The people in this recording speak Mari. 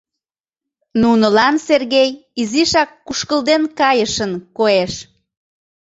Нунылан Сергей изишак кушкылден кайышын коеш.